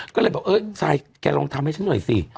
ก็เลยบอกเอ้ยซายแกลองทำให้ฉันหน่อยสิ